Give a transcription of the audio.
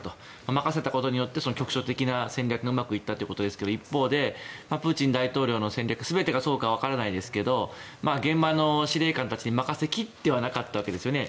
任せたことで局所的な戦略がうまくいったということですが一方で、プーチン大統領の戦略全てがそうか分からないですが現場の司令官たちに任せきってなかったわけですね。